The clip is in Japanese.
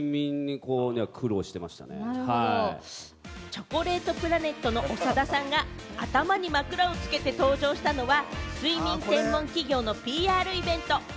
チョコレートプラネットの長田さんが頭に枕をつけて登場したのは、睡眠専門企業のＰＲイベント。